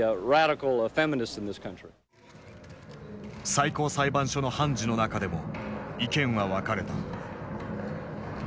最高裁判所の判事の中でも意見は分かれた。